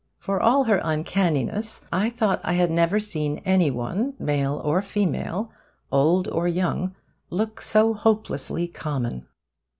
For all her uncanniness, I thought I had never seen any one, male or female, old or young, look so hopelessly common.